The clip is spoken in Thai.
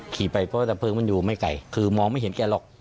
ขี่ไปเพราะดับเพลิงมันอยู่ไม่ไกลคือมองไม่เห็นแกหรอก